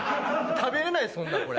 食べれないっすほんならこれ。